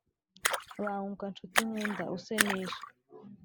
Banguka, ncuti nkunda, use n’isha,